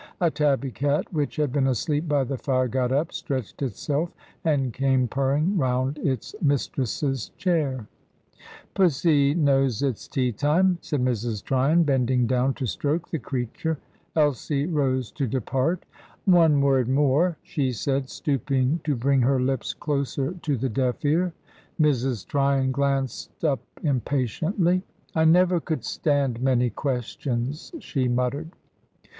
A tabby cat, which had been asleep by the fire, got up, stretched itself, and came purring round its mistress's chair. "Pussy knows it's tea time," said Mrs. Tryon, bending down to stroke the creature. Elsie rose to depart. "One word more," she said, stooping to bring her lips closer to the deaf ear. Mrs. Tryon glanced up impatiently. "I never could stand many questions," she muttered.